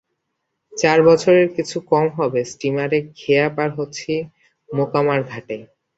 চার বছরের কিছু কম হবে, স্টীমারে খেয়া পার হচ্ছি মোকামার ঘাটে।